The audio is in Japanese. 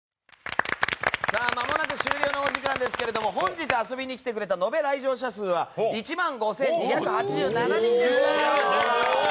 まもなく終了のお時間ですが本日遊びに来てくれた延べ来場者数は１万５２８７人でした。